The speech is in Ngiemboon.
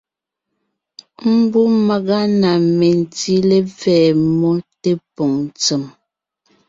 Mbú màga na mentí lepfɛ́ mmó tépòŋ ntsèm,